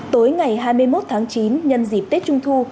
tối ngày hai mươi một tháng chín nhân dịp tết trung thu